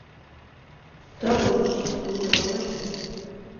Тап ошо шик тыуҙыра ла инде.